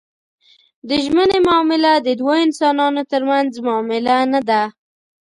د ژمنې معامله د دوو انسانانو ترمنځ معامله نه ده.